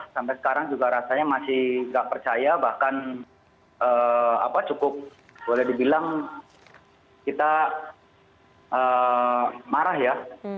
sampai sekarang juga rasanya masih nggak percaya bahkan cukup boleh dibilang kita marah ya